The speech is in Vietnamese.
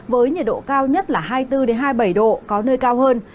với nhiệt độ cao nhất là hai mươi bốn hai mươi bảy độ có nơi cao hơn